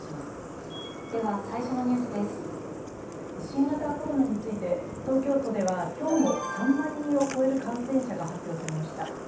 新型コロナについて、東京都では今日も３万人を超える感染者が発表されました。